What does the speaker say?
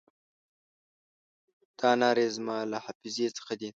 دا نارې زما له حافظې څخه دي.